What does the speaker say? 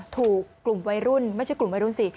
ถูกกลุ่มวัยรุ่นไม่ใช่กลุ่มวัยรุ่นสิ